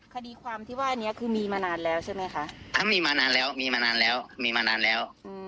คดีความที่ว่าอันนี้คือมีมานานแล้วใช่ไหมคะทั้งมีมานานแล้วมีมานานแล้วมีมานานแล้ว